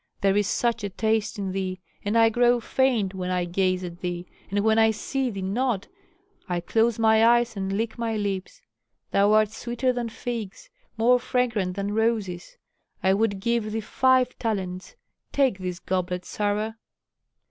There is such a taste in thee that I grow faint when I gaze at thee, and when I see thee not, I close my eyes and lick my lips. Thou art sweeter than figs, more fragrant than roses. I would give thee five talents. Take this goblet, Sarah."